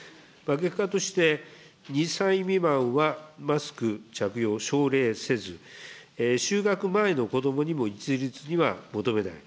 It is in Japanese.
結果として、２歳未満はマスク着用を奨励せず、就学前の子どもにも一律には求めない。